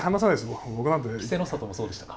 稀勢の里もそうでしたか。